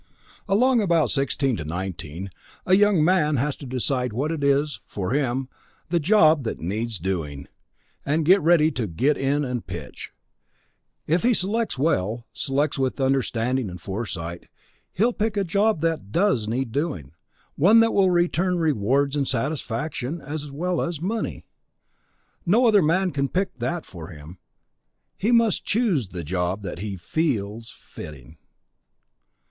Along about sixteen to nineteen, a young man has to decide what is, for him, the Job That Needs Doing and get ready to get in and pitch. If he selects well, selects with understanding and foresight, he'll pick a job that does need doing, one that will return rewards in satisfaction as well as money. No other man can pick that for him; he must choose the Job that he feels fitting.